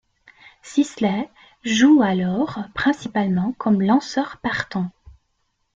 Sisler joue alors principalement comme lanceur partant.